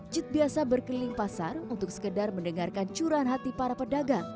jit terpilih menjalankan tugas sebagai manajer unit usaha